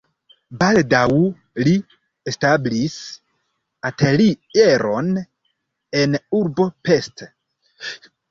Baldaŭ li establis atelieron en urbo Pest.